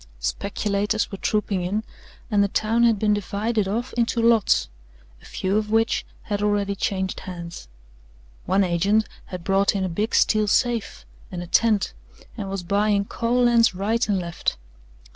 Speculators were trooping in and the town had been divided off into lots a few of which had already changed hands. One agent had brought in a big steel safe and a tent and was buying coal lands right and left.